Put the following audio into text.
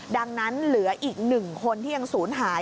ดังนั้นเหลืออีก๑คนที่ยังศูนย์หาย